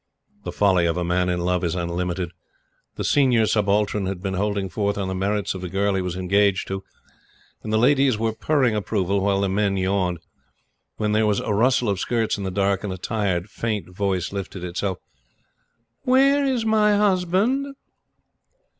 The folly of a man in love is unlimited. The Senior Subaltern had been holding forth on the merits of the girl he was engaged to, and the ladies were purring approval, while the men yawned, when there was a rustle of skirts in the dark, and a tired, faint voice lifted itself: "Where's my husband?"